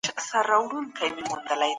هیوادونه څنګه فردي ازادۍ ته وده ورکوي؟